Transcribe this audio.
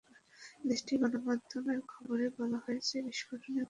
দেশটির গণমাধ্যমের খবরে বলা হচ্ছে, বিস্ফোরণের ঘটনায় বিমানবন্দর খালি করে দেওয়া হচ্ছে।